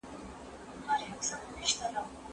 زما ژوندون د ده له لاسه په عذاب دی